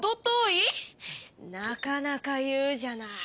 なかなか言うじゃない！